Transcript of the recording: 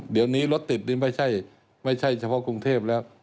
เดี๋ยวนี้รถติดนี่ไม่ใช่เฉพาะกรุงเทพแล้ว